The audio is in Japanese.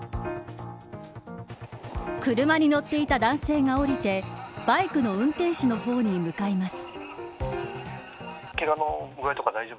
車に乗っていた男性が降りてバイクの運転手の方に向かいます。